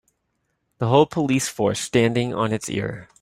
The whole police force standing on it's ear.